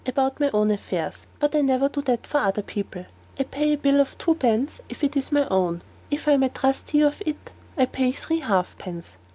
About my own affairs; but I never do that for other people. I pay a bill for twopence, if it is my own. If I am trustee of it, I pay three half pence."